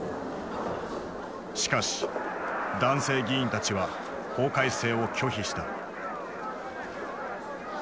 しかし男性議員たちは法改正を拒否した。